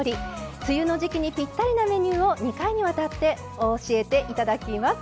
梅雨の時期にぴったりなメニューを２回にわたって教えて頂きます。